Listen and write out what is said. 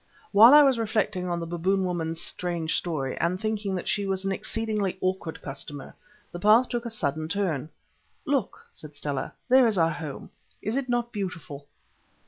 While I was reflecting on the Baboon woman's strange story, and thinking that she was an exceedingly awkward customer, the path took a sudden turn. "Look!" said Stella, "there is our home. Is it not beautiful?"